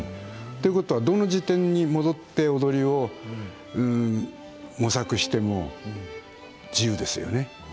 ということはどの時点に戻って踊りを模索しても自由ですよね。